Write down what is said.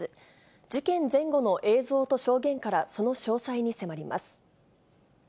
事件前後の映像と証言から、その詳細に迫ります。